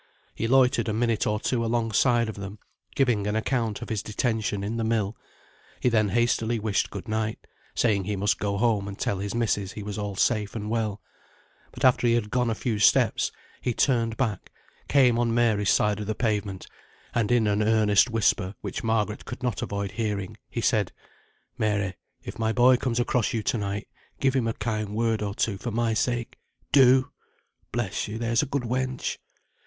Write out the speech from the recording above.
He loitered a minute or two alongside of them, giving an account of his detention in the mill; he then hastily wished good night, saying he must go home and tell his missis he was all safe and well: but after he had gone a few steps, he turned back, came on Mary's side of the pavement, and in an earnest whisper, which Margaret could not avoid hearing, he said, "Mary, if my boy comes across you to night, give him a kind word or two for my sake. Do! bless you, there's a good wench."